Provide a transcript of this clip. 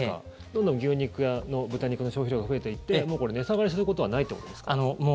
どんどん牛肉や豚肉の消費量が増えていってもうこれ、値下がりすることはないってことですか？